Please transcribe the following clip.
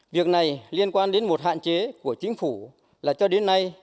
việc này liên quan đến một hạn chế của chính phủ là cho đến nay